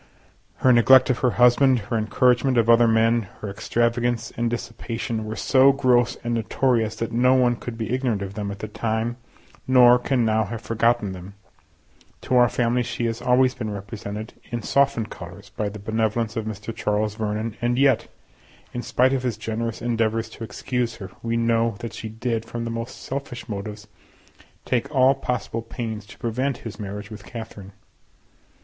Her neglect of her husband, her encouragement of other men, her extravagance and dissipation, were so gross and notorious that no one could be ignorant of them at the time, nor can now have forgotten them. To our family she has always been represented in softened colours by the benevolence of Mr. Charles Vernon, and yet, in spite of his generous endeavours to excuse her, we know that she did, from the most selfish motives, take all possible pains to prevent his marriage with Catherine.